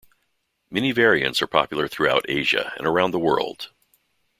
Many variants are popular throughout Asia, and around the world.